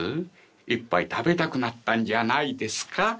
一杯食べたくなったんじゃないですか？